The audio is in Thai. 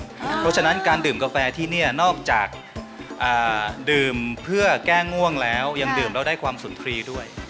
เพราะฉะนั้นการดื่มกาแฟที่นี่นอกจากดื่มเพื่อแก้ง่วงแล้วยังดื่มแล้วได้ความสุนทรีย์ด้วย